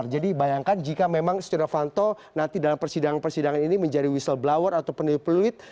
jadi bayangkan jika memang setia rofanto nanti dalam persidangan persidangan ini menjadi whistleblower atau penipulit